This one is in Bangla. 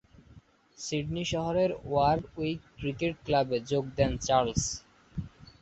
সিডনি শহরের ওয়ারউইক ক্রিকেট ক্লাবে যোগ দেন চার্লস।